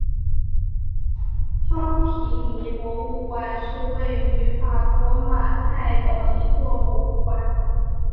康提尼博物馆是位于法国马赛的一座博物馆。